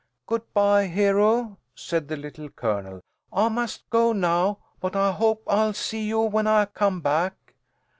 "Good bye, Hero," said the Little Colonel. "I must go now, but I hope I'll see you when I come back."